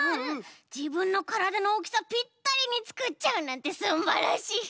じぶんのからだのおおきさピッタリにつくっちゃうなんてすんばらしい！